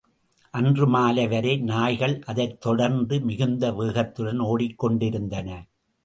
அன்று மாலை வரை நாய்கள் அதைத் தொடர்ந்து மிகுந்த வேகத்துடன் ஓடிக்கொண்டிருந்தன.